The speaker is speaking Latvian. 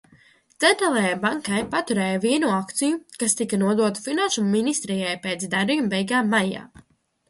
Centrālajai banka paturēja vienu akciju, kas tika nodota Finanšu ministrijai pēc darījuma beigām maijā.